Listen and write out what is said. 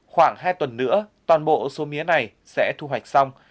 khoảng hai tuần nữa toàn bộ số mía này sẽ thu hoạch xong